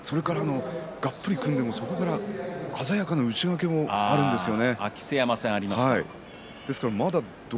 それからがっぷり組んでもそこから鮮やかな内掛けがあるんですよね。